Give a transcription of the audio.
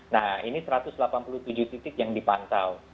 nah ini satu ratus delapan puluh tujuh titik yang dipantau